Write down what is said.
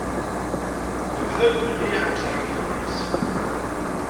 Tebda Guli aḥewwes ɣef yelli-s.